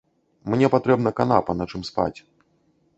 Мне патрэбна канапа, на чым спаць.